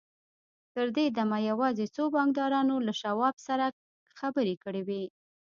تر دې دمه يوازې څو بانکدارانو له شواب سره خبرې کړې وې.